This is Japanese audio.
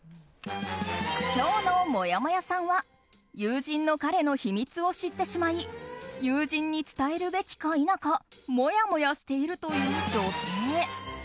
今日のもやもやさんは友人の彼の秘密を知ってしまい友人に伝えるべきか否かもやもやしているという女性。